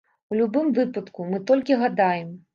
У любым выпадку, мы толькі гадаем.